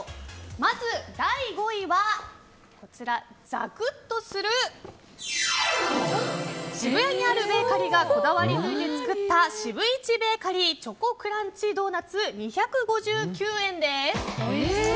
まず、第５位はザクッとする渋谷にあるベーカリーがこだわりぬいて作った渋いちベーカリーチョコクランチドーナツ２５９円です。